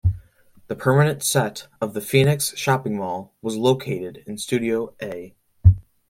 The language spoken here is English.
The permanent set of the "Phoenix Shopping Mall" was located in Studio A.